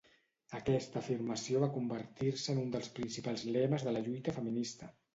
Aquesta afirmació va convertir-se en un dels principals lemes de la lluita feminista.